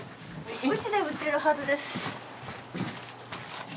うちで打ってるはずです。